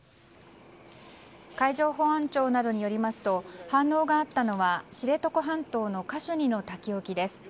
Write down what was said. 海上保安庁などによりますと反応があったのは知床半島のカシュニの滝沖です。